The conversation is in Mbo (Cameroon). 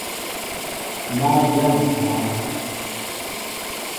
Má dyá ŋkwă.